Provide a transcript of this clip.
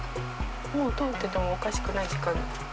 もう通っててもおかしくない時間。